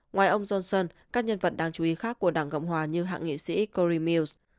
ngoài ông johnson các nhân vật đáng chú ý khác của đảng cộng hòa như hạng nghị sĩ corey mills